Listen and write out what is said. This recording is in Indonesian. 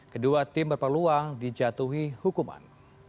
kedua tim berpeluang dijatuhi hukuman